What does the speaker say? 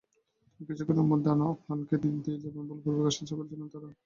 তবে কিছুক্ষণের মধ্যে আদনানকে দিয়ে যাবেন বলেও পরিবারকে আশ্বস্ত করেছিলেন তাঁরা।